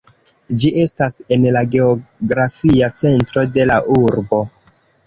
Ĝi estas en la geografia centro de la urbo.